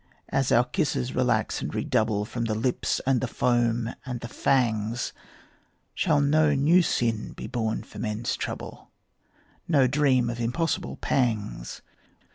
As our kisses relax and redouble, From the lips and the foam and the fangs Shall no new sin be born for men's trouble, No dream of impossible pangs?